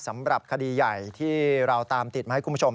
สำหรับคดีใหญ่ที่เราตามติดมาให้คุณผู้ชม